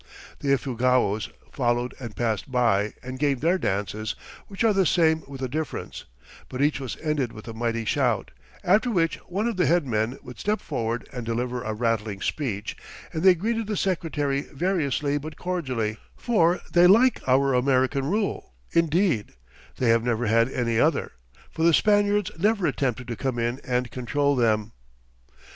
[Illustration: IFUGAO HEAD DANCE.] The Ifugaos followed and passed by, and gave their dances, which are the same with a difference, but each was ended with a mighty shout, after which one of the head men would step forward and deliver a rattling speech, and they greeted the Secretary variously but cordially for they like our American rule, indeed, they have never had any other, for the Spaniards never attempted to come in and control them.